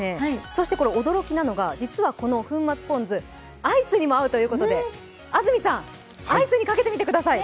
そしてこれ驚きなのが、実はこの粉末ポン酢、アイスにも合うということで、安住さん、アイスにかけてみてください。